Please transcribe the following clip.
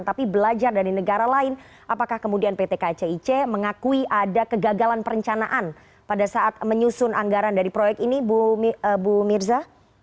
tapi belajar dari negara lain apakah kemudian pt kcic mengakui ada kegagalan perencanaan pada saat menyusun anggaran dari proyek ini bu mirza